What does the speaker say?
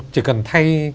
chỉ cần thay